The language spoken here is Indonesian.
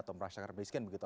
atau merasakan miskin begitu